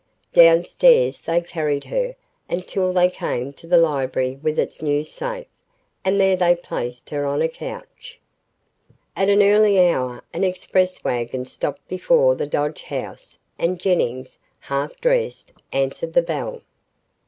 Downstairs they carried her until they came to the library with its new safe and there they placed her on a couch. ........ At an early hour an express wagon stopped before the Dodge house and Jennings, half dressed, answered the bell.